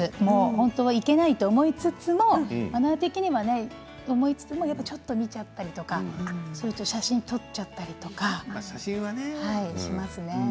本当はいけないと思いつつもマナー的には、と思いつつもちょっと見ちゃったりとか写真を撮っちゃったりとかしますね。